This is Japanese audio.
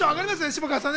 下川さん。